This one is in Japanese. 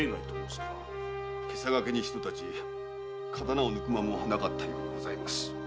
袈裟懸けにひと太刀刀を抜く間もなかったようにございます。